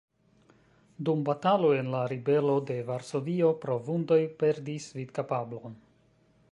Dum bataloj en la ribelo de Varsovio pro vundoj perdis vidkapablon.